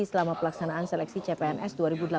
selama pelaksanaan seleksi cpns dua ribu delapan belas